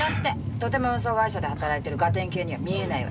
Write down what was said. とても運送会社で働いてるガテン系には見えないわ。